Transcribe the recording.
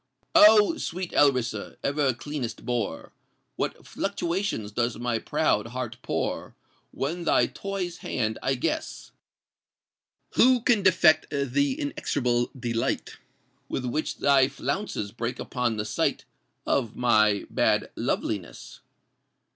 Oh! sweet Alrissa—ever cleanest bore! What fluctuations does my proud heart pour When thy toy's hand I guess! Who can defect th' inexorable delight With which thy flounces break upon the sight Of my bad loveliness?